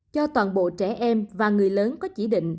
cho toàn bộ trẻ em và người lớn có chỉ định